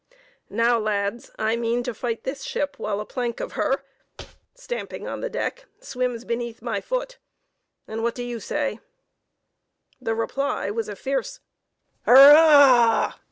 "Now lads, I mean to fight this ship while a plank of her (stamping on the deck) swims beneath my foot and—what do you say?" The reply was a fierce "hurrah!"